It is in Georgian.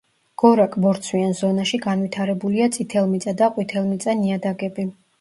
გორაკ-ბორცვიან ზონაში განვითარებულია წითელმიწა და ყვითელმიწა ნიადაგები.